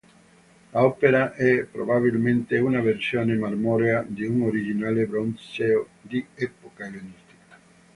L'opera è probabilmente una versione marmorea di un originale bronzeo di epoca ellenistica.